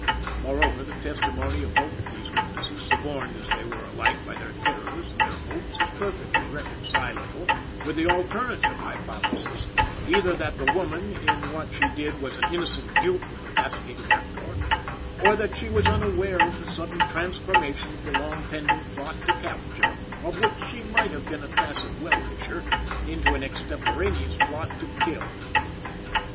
Moreover, the testimony of both these witnesses, suborned as they were alike by their terrors and their hopes, is perfectly reconcilable with the alternative hypothesis, either that the woman in what she did was an innocent dupe of the fascinating actor, or that she was unaware of the sudden transformation of the long pending plot to capture, of which she might have been a tacit well wisher, into an extemporaneous plot to kill.